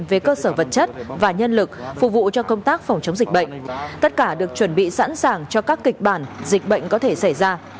về cơ sở vật chất và nhân lực phục vụ cho công tác phòng chống dịch bệnh tất cả được chuẩn bị sẵn sàng cho các kịch bản dịch bệnh có thể xảy ra